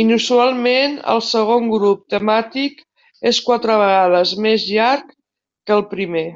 Inusualment, el segon grup temàtic és quatre vegades més llarg que el primer.